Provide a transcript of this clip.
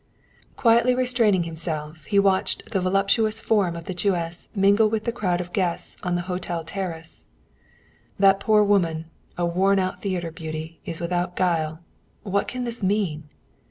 Quietly restraining himself, he watched the voluptuous form of the Jewess mingle with the crowd of guests on the hotel terrace. "That poor woman, a worn out theater beauty, is without guile. What can this mean?"